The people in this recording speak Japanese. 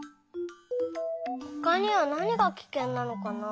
ほかにはなにがキケンなのかな？